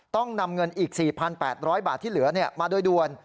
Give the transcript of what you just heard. ต้องนำเงินอีก๔๘๐๐บาทที่เหลือมาโดยด่วน